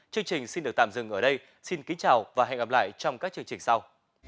chương trình xin được tạm dừng ở đây xin kính chào và hẹn gặp lại trong các chương trình sau